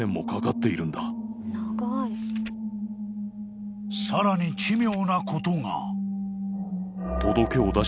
［さらに奇妙なことが］